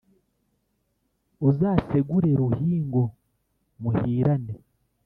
uzasegure ruhingo muhirane,